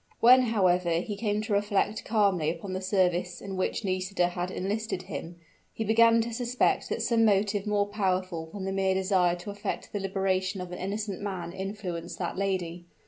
When, however, he came to reflect calmly upon the service in which Nisida had enlisted him, he began to suspect that some motive more powerful than the mere desire to effect the liberation of an innocent man influenced that lady.